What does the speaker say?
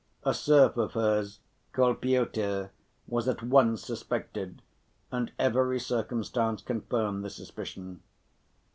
A serf of hers called Pyotr was at once suspected, and every circumstance confirmed the suspicion.